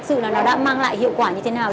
và thực sự nó đã mang lại hiệu quả như thế nào